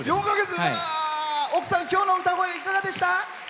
奥さん、きょうの歌いかがでした？